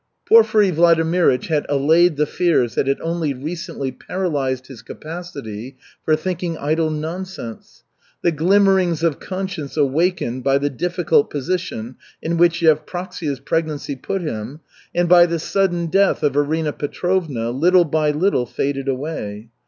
Porfiry Vladimirych had allayed the fears that had only recently paralyzed his capacity for thinking idle nonsense. The glimmerings of conscience awakened by the difficult position in which Yevpraksia's pregnancy put him, and by the sudden death of Arina Petrovna, little by little faded away.